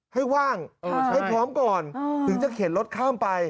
ให้ว่างให้พร้อมก่อนถึงจะเข็นรถข้ามไป